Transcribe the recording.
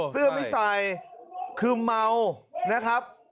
เสื้อไม่ใส่คือเมานะครับ